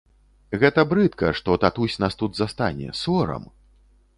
Гэта брыдка, што татусь нас тут застане, сорам!